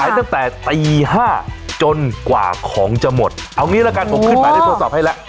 ขายตั้งแต่ตีห้าจนกว่าของจะหมดเอางี้แล้วกันผมขึ้นไปได้โทรศอบให้แล้ว